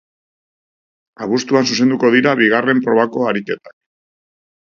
Abuztuan zuzenduko dira bigarren probako ariketak.